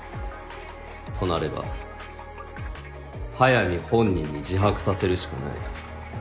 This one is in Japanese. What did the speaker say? となれば速水本人に自白させるしかない。